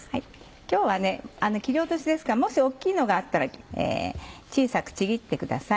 今日は切り落としですからもし大っきいのがあったら小さくちぎってください。